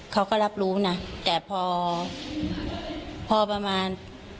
เขาก็รับรู้นะแต่พอพอประมาณ